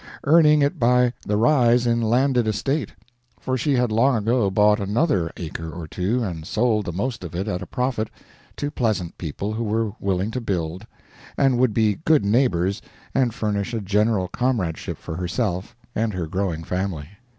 Earning it by the rise in landed estate; for she had long ago bought another acre or two and sold the most of it at a profit to pleasant people who were willing to build, and would be good neighbors and furnish a general comradeship for herself and her growing family.